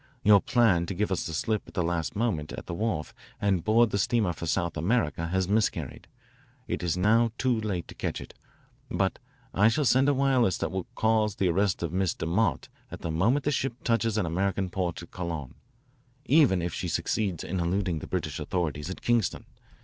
Your plan to give us the slip at the last moment at the wharf and board the steamer for South America has miscarried. It is now too late to catch it, but I shall send a wireless that will cause the arrest of Miss DeMott the moment the ship touches an American port at Colon, even if she succeeds in eluding the British authorities at Kingston.